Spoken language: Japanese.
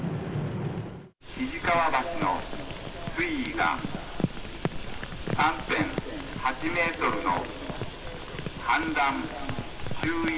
肱川橋の水位が、３．８メートルの氾濫注意